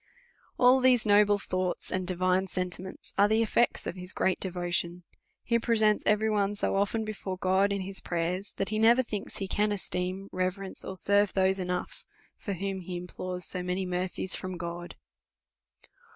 All these noble thou<>hts and divine sentiments arc the eOects of his great devo tion ; he presents every one so often before God in his prayers, that he never thinks he can esteem, re verence, or serve those enough, for whom he implores £0 many mercies from God.